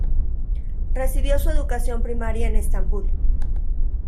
Recibió su educación primaria en Estambul.